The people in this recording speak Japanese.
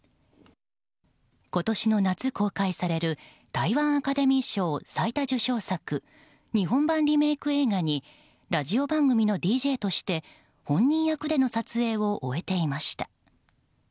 今年の夏公開される台湾アカデミー賞最多受賞作日本版リメイク映画にラジオ番組のＤＪとして本人役での撮影を終えていました。